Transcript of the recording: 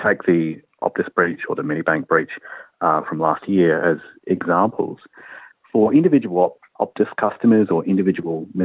dan lebih bergantung kepada penjahat dunia maya